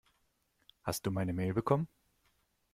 Hast du meine Mail bekommen?